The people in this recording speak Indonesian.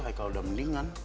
kayaknya udah mendingan